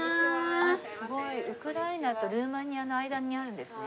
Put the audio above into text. すごいウクライナとルーマニアの間にあるんですね。